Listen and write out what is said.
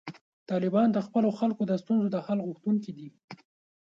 طالبان د خپلو خلکو د ستونزو د حل غوښتونکي دي.